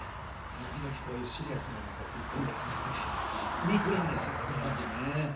時々、こういうシリアスなのぶっこんでくるのが憎いんですよね、これがね。